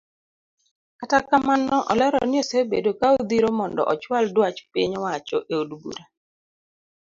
Kata kamano olero ni osebedo ka odhiro mondo ochual duach piny owacho eod bura.